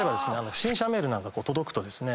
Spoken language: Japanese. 不審者メールなんか届くとですね